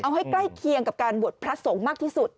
เอาให้ใกล้เคียงกับการบวชพระสงฆ์มากที่สุด